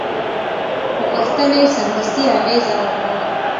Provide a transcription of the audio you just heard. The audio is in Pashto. غوښتنې سمدستي اغېزه وکړه.